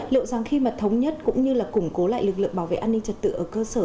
liệu rằng khi mà thống nhất cũng như là củng cố lại lực lượng bảo vệ an ninh trật tự ở cơ sở